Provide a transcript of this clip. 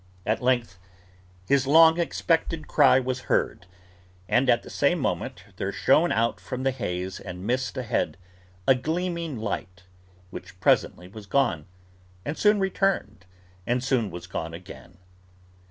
At length his long expected cry was heard, and at the same moment there shone out from the haze and mist ahead, a gleaming light, which presently was gone, and soon returned, and soon was gone again.